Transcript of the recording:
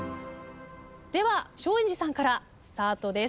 では松陰寺さんからスタートです。